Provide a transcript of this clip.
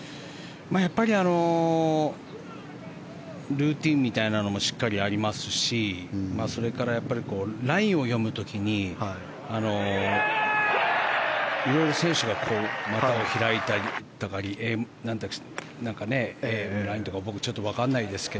やっぱりルーティンみたいなものもしっかりありますしそれから、ラインを読む時にいろいろ選手が何かやったり、ラインとか僕ちょっと分かりませんが。